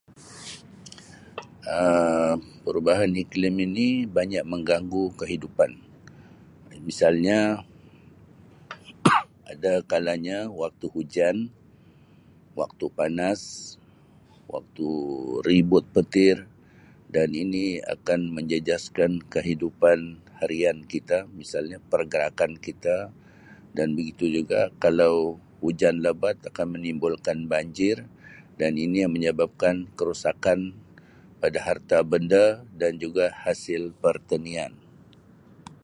Um Perubahan iklim ini banyak mengganggu kehidupan. Misalnya ada kalanya waktu hujan, waktu panas, waktu ribut petir dan ini akan menjejaskan kehidupan harian kita misalnya pergerakan kita dan begitu juga kalau hujan lebat akan menimbulkan banjir dan ini menyebabkan kerosakan pada harta benda dan juga hasil pertanian.